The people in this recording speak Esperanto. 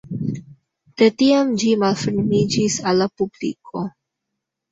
De tiam ĝi malfermiĝis al la publiko.